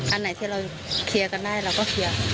อันไหนที่เราเคลียร์กันได้เราก็เคลียร์